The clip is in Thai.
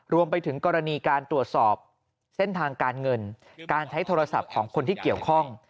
รวมไปถึงกรณีการตรวจสอบเส้นทางการเงินการใช้โทรศัพท์ของคนที่เกี่ยวข้อง